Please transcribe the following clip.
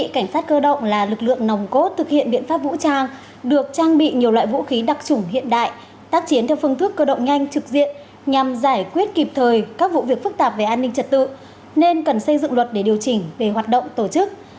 cảnh sát cơ động là lực lượng nòng cốt thực hiện biện pháp vũ trang được trang bị nhiều loại vũ khí đặc trùng hiện đại tác chiến theo phương thức cơ động nhanh trực diện nhằm giải quyết kịp thời các vụ việc phức tạp về an ninh trật tự nên cần xây dựng luật để điều chỉnh về hoạt động tổ chức